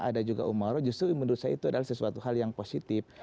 ada juga umaro justru menurut saya itu adalah sesuatu hal yang positif